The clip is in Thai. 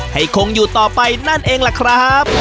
คงอยู่ต่อไปนั่นเองล่ะครับ